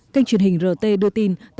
kênh truyền hình rt đưa tin